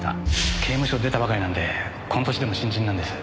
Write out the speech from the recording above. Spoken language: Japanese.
刑務所出たばかりなんでこの歳でも新人なんです。